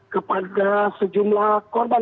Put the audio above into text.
kepada sejumlah korban